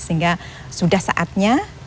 sehingga sudah saatnya itu juga memiliki penggunaan